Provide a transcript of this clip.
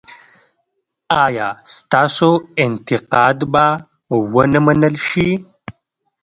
ایا ستاسو انتقاد به و نه منل شي؟